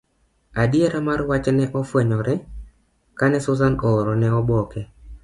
Adiera mar wach nofwenyore kane Susan oorone oboke.